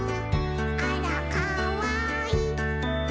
「あらかわいい！」